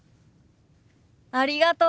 ありがとう！